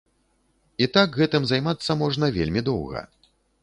І так гэтым займацца можна вельмі доўга.